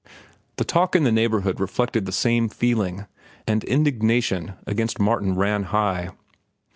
The talk in the neighborhood reflected the same feeling, and indignation against Martin ran high.